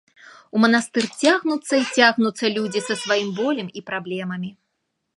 У манастыр цягнуцца й цягнуцца людзі са сваім болем і праблемамі.